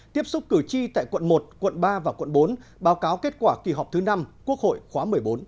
tiếp xúc cử tri tại quận một quận ba và quận bốn báo cáo kết quả kỳ họp thứ năm quốc hội khóa một mươi bốn